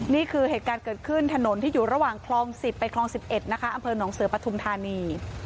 นี่คือเหตุการณ์เกิดขึ้นถนนที่อยู่ระหว่างคลอง๑๐ไปคลอง๑๑นะคะอำเภอหนองเสือปฐุมธานี